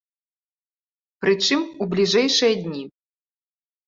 Прычым, у бліжэйшыя дні.